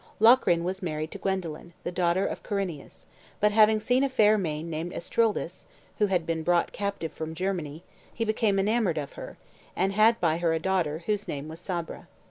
Locrine was married to Guendolen, the daughter of Corineus, but having seen a fair maid named Estrildis, who had been brought captive from Germany, he became enamoured of her, and had by her a daughter, whose name was Sabra.